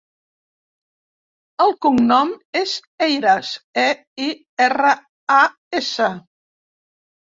El cognom és Eiras: e, i, erra, a, essa.